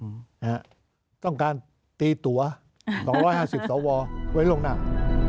ฮะต้องการตีตัวห้าสองห้าสิบต่อวอไว้ลงหนัง